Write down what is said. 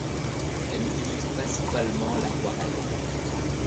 Elle utilise principalement l'aquarelle.